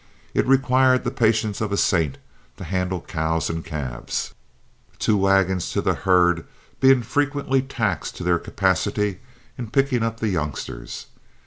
It requires the patience of a saint to handle cows and calves, two wagons to the herd being frequently taxed to their capacity in picking up the youngsters.